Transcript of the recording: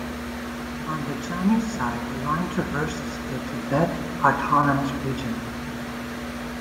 On the Chinese side, the line traverses the Tibet Autonomous Region.